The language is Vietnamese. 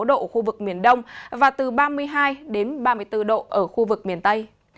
ở khu vực miền đông và từ ba mươi hai ba mươi bốn độ ở khu vực miền tây